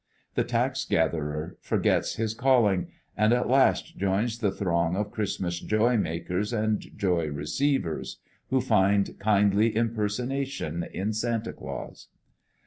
The tax gatherer forgets his calling, and at last joins the throng of Christmas joy makers and joy receivers, who find kindly impersonation in "Santa Claus."